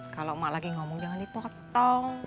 kalau emak lagi ngomong jangan dipotong